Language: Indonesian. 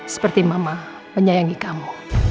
seperti mama menyayangi kamu